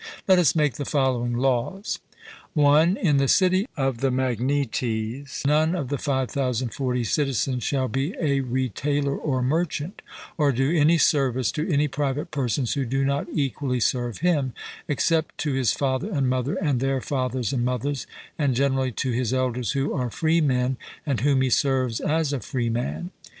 Let us make the following laws: (1) In the city of the Magnetes none of the 5040 citizens shall be a retailer or merchant, or do any service to any private persons who do not equally serve him, except to his father and mother and their fathers and mothers, and generally to his elders who are freemen, and whom he serves as a freeman.